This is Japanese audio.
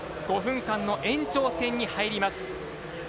５分間の延長戦に入ります。